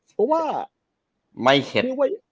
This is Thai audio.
เพราะว่าไม่เข็ด